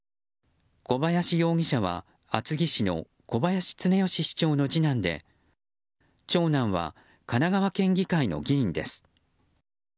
小林容疑者は厚木市の小林常良市長の次男で長男は、神奈川県議会の議員です。